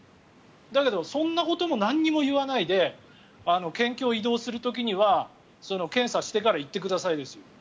だけどそんなことも何も言わないで県境を移動する時は検査してから行ってくださいですよ。